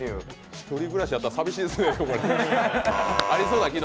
１人暮らしやったら寂しいですね。